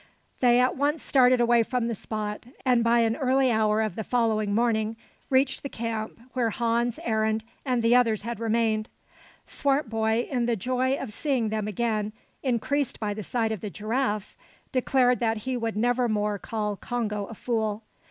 They at once started away from the spot, and by an early hour of the following morning reached the camp, where Hans, Arend, and the others had remained. Swartboy, in the joy of seeing them again, increased by the sight of the giraffes, declared that he would never more call Congo a fool.